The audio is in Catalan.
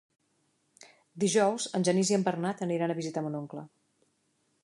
Dijous en Genís i en Bernat aniran a visitar mon oncle.